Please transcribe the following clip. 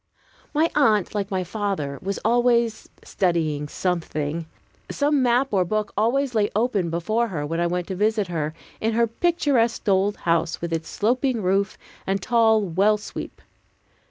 My aunt, like my father, was always studying something. Some map or book always lay open before her, when I went to visit her, in her picturesque old house, with its sloping roof and tall well sweep.